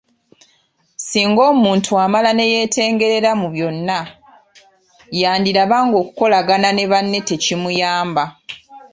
Singa omuntu amala ne yeetengerera mu byonna, yandiraba ng'okukolagana ne banne tekimuyamba.